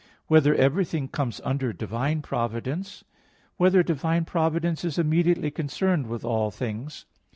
(2) Whether everything comes under divine providence? (3) Whether divine providence is immediately concerned with all things?